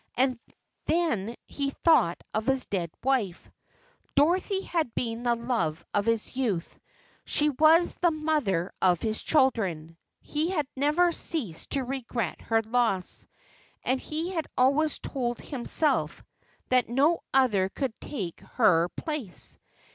And then he thought of his dead wife. Dorothy had been the love of his youth; she was the mother of his children; he had never ceased to regret her loss, and he had always told himself that no other could take her place.